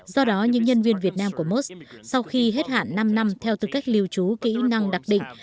do đó những nhân viên việt nam của mốt sau khi hết hạn năm năm theo tư cách lưu trú kỹ năng đặc định